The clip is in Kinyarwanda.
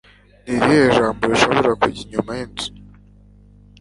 Ni irihe jambo rishobora kujya inyuma yinzu